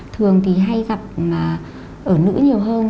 thường thì hay gặp ở nữ nhiều hơn